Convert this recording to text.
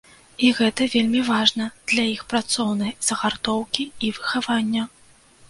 І гэта вельмі важна для іх працоўнай загартоўкі і выхавання.